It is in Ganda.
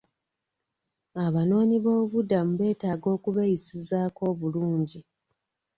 Abanoonyi b'obubuddamu beetaga okubeeyisizzaako obulungi.